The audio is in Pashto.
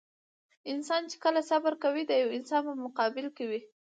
انسان چې کله صبر کوي د يوه انسان په مقابل کې وي.